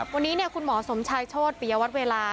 วันนี้คุณหมอสมชายโชธปิยวัตรเวลา